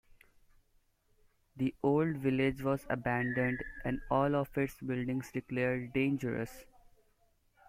The old village was abandoned and all of its buildings declared dangerous.